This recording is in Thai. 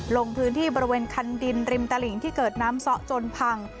ลงพื้นที่บริเวณคันดินริมตลิ่งที่เกิดน้ำซ้อจนพัง